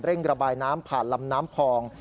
ระบายน้ำผ่านลำน้ำพอง